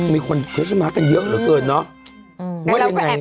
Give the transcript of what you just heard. มีคนเคชมากกันเยอะกันเหลือเกินเนอะ